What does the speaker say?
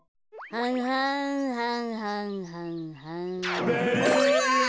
はんはんはんはんはんはん。